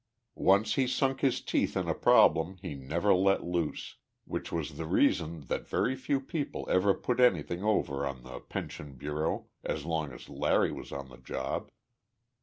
Once he sunk his teeth in a problem he never let loose which was the reason that very few people ever put anything over on the Pension Bureau as long as Larry was on the job.